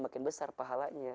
makin besar pahalanya